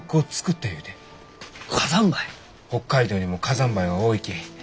北海道にも火山灰は多いき。